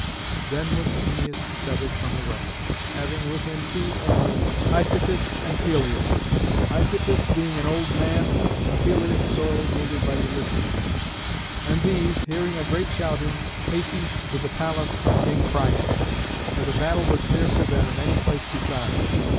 Then was Æneas severed from the rest, having with him two only, Iphitus and Pelias, Iphitus being an old man and Pelias sorely wounded by Ulysses. And these, hearing a great shouting, hastened to the palace of King Priam, where the battle was fiercer than in any place beside.